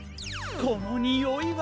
このにおいは。